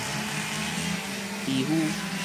漁夫